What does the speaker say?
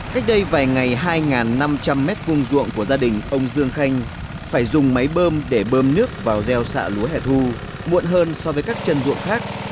cách đây vài ngày hai năm trăm linh m hai ruộng của gia đình ông dương khanh phải dùng máy bơm để bơm nước vào gieo xạ lúa hẻ thu muộn hơn so với các chân ruộng khác